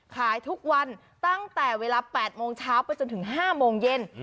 ขายทุกวันตั้งแต่เวลา๘โมงเช้าไปจนถึง๕โมงเย็น